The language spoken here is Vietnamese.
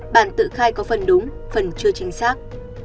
bản tự khai có phần đúng phần chưa chính xác